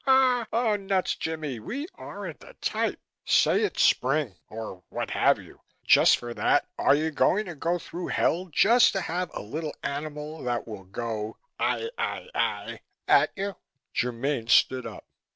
"Oh nuts, Jimmie! We aren't the type. Say it's spring or what have you? Just for that are you going to go through hell just to have a little animal that will go 'Aah Aah Aah' at you?" Germaine stood up.